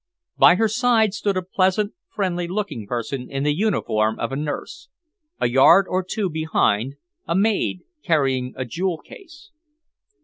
By her side stood a pleasant, friendly looking person in the uniform of a nurse; a yard or two behind, a maid carrying a jewel case.